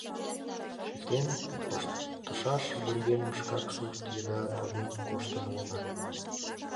Чиктен пыштышаш вургемым шкак сурт еда поген коштын улына...